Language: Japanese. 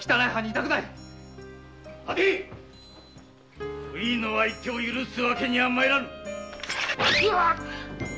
待て‼不義の相手を許すわけにはまいらぬ。